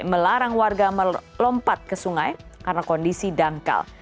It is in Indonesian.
melarang warga melompat ke sungai karena kondisi dangkal